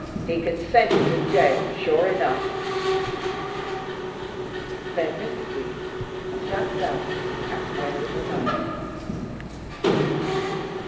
He can send you to jail, sure enough!" Then Mrs. Weeks sat down and wailed aloud.